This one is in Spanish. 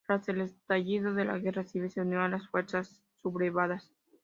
Tras el estallido de la Guerra civil se unió a las fuerzas sublevadas.